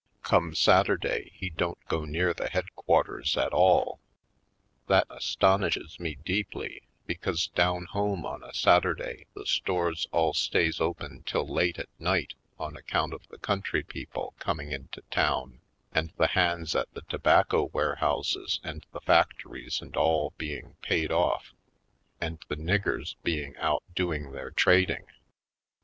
Come Saturday, he don't go near the headquarters at all. That astonishes me deeply, because down home on a Satur day the stores all stays open till late at night on account of the country people coming into town and the hands at the to bacco warehouses and the factories and all being paid off, and the niggers being out doing their trading.